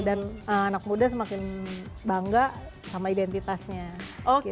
dan anak muda semakin bangga sama identitasnya gitu